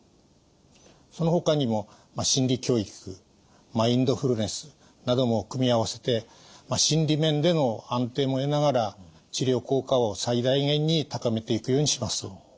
そのほかにも心理教育マインドフルネスなども組み合わせて心理面での安定も得ながら治療効果を最大限に高めていくようにします。